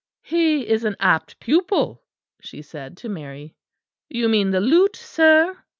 "He is an apt pupil," she said to Mary. " You mean the lute, sir?"